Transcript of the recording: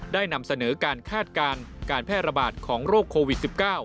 นำเสนอการคาดการณ์การแพร่ระบาดของโรคโควิด๑๙